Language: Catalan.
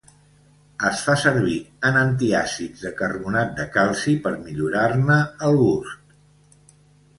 Es fa servir en antiàcids de carbonat de calci per millorar-ne el gust.